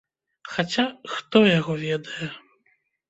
Хаця, хто яго ведае.